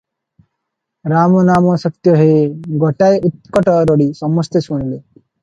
ରାମ ନାମ ସତ୍ୟ ହେ!' ଗୋଟାଏ ଉତ୍କଟ ରଡି ସମସ୍ତେ ଶୁଣିଲେ!